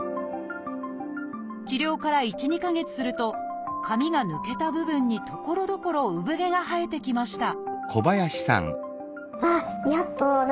治療から１２か月すると髪が抜けた部分にところどころ産毛が生えてきました